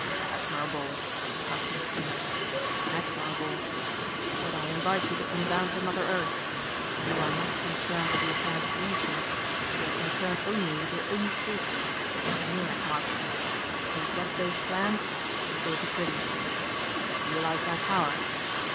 "Admirable!" Kaufmann sneered, "admirable! But I invite you to come down to mother earth. You are not concerned with the affairs of nations. You are concerned only with your own safety which is the nearer task. You get those plans or you go to prison. You realize my power.